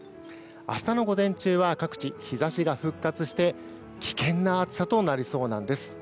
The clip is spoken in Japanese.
明日の午前中は各地、日差しが復活して危険な暑さとなりそうなんです。